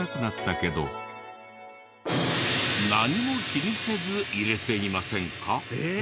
何も気にせず淹れていませんか？